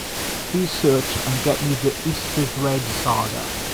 Please search and get me The East Is Red saga.